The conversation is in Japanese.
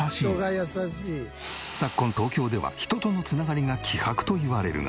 昨今東京では人との繋がりが希薄といわれるが。